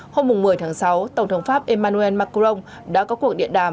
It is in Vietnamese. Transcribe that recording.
hôm một mươi tháng sáu tổng thống pháp emmanuel macron đã có cuộc điện đàm